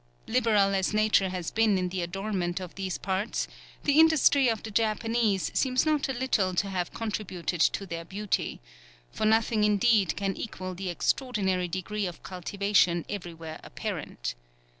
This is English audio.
Liberal as nature has been in the adornment of these parts, the industry of the Japanese seems not a little to have contributed to their beauty; for nothing indeed can equal the extraordinary degree of cultivation everywhere apparent.